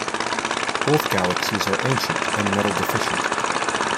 Both galaxies are ancient and metal-deficient.